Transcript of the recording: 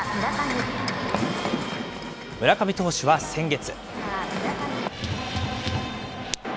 村上投手は先月。